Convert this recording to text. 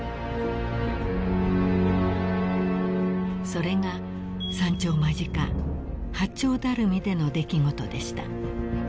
［それが山頂間近八丁ダルミでの出来事でした］